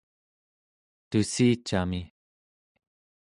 tussicami